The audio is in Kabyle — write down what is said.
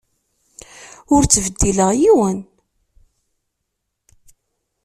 Ur ttbeddileɣ yiwen.